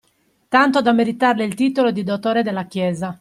Tanto da meritarle il titolo di dottore della Chiesa